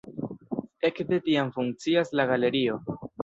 Ekde tiam funkcias la galerio.